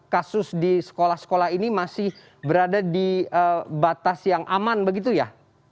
kasus di sekolah sekolah ini masih berada di batas yang aman begitu ya